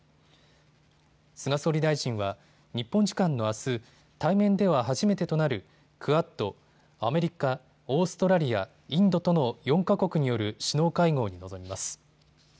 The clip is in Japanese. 菅総理大臣は日本時間のあす対面では初めてとなるクアッド・アメリカ、オーストラリア、インドとの４か国による首脳会合に臨みます。